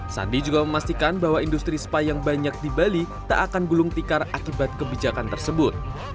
sandi juga memastikan bahwa industri spa yang banyak di bali tak akan gulung tikar akibat kebijakan tersebut